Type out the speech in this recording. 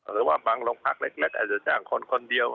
หรือว่าบางโรงพักเล็กอาจจะจ้างคนคนเดียว